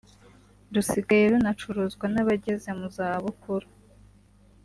rusigaye runacuruzwa n’abageze mu za bukuru